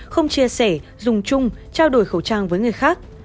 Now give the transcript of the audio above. không chia sẻ dùng chung trao đổi khẩu trang với người khác